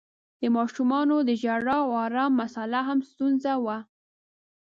د ماشومانو د ژړا او آرام مسآله هم ستونزه وه.